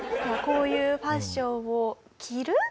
こういうファッションを着る。